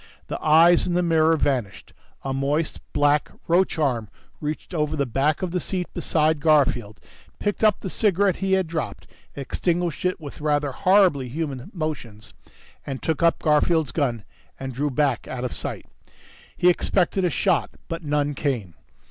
The eyes in the mirror vanished. A moist, black roach arm reached over the back of the seat beside Garfield, picked up the cigarette he had dropped, extinguished it with rather horribly human motions, then took up Garfield's gun and drew back out of sight. He expected a shot, but none came.